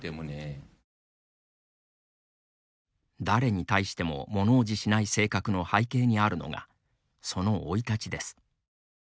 誰に対しても、ものおじしない性格の背景にあるのがその生い立ちです。